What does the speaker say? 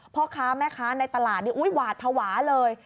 พ่อค้าแม่ค้าในตลาดนี่หวาดภาวะเลย